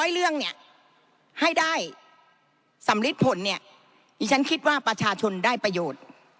๑๐๐เรื่องให้ได้สำริดผลที่ฉันคิดว่าประชาชนได้ประโยชน์